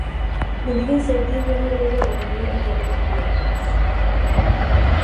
Билигин Сайдыы бөһүөлэгэ оҕонньор өтөҕүн үрдүгэр турар